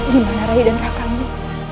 dimana rai dan rakamu